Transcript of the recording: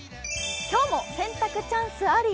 今日も洗濯チャンスあり。